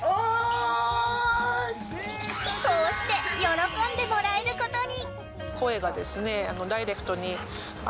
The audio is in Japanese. こうして喜んでもらえることに。